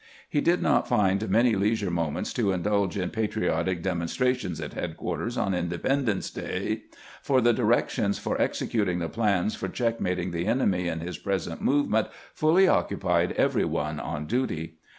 We did not find many leisure moments to indulge in patriotic demonstrations at headquarters on Indepen dence day, for the directions for executing the plans for checkmating the enemy in his present movement fully occupied every one on ^uty.